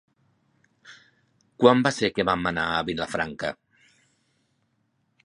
Quan va ser que vam anar a Vilafranca?